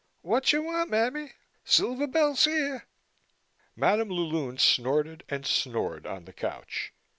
"What you want, mammy? Silver Bell's here." Madam la Lune snorted and snored on the couch.